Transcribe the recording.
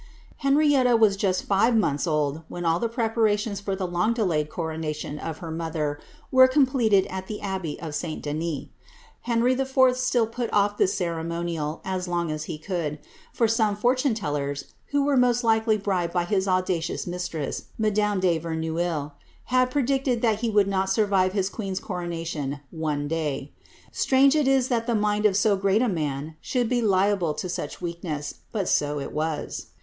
Henriette was just five months old when all the preparations for the long delayed coronation of her mother were completed at the abbey of St. Denis. Henry IV. still put off this ceremonial as long as he could, for some fortune tellers, who were most likely bribed by his audacioi)s mistress, madame de Verneuil, had predicted that he would not survive his queen's coronation one day.' Strange it is that the mind of so great a man should be liable to such weakness, but so it was.